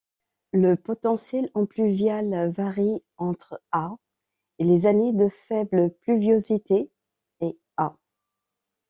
Le potentiel en pluvial varie entre ha, les années de faible pluviosité, et ha.